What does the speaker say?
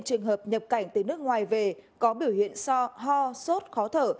trường hợp nhập cảnh từ nước ngoài về có biểu hiện so ho sốt khó thở